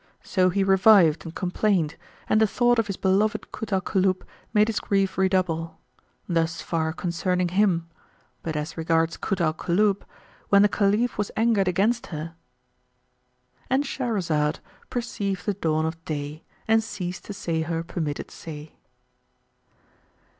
So he revived and complained, and the thought of his beloved Kut al Kulub made his grief redouble. Thus far concerning him; but as regards Kut al Kulub, when the Caliph was angered against her,— And Shahrazad perceived the dawn of day and ceased to say her permitted say.